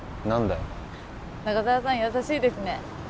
何だよ中沢さん優しいですね